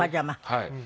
はい。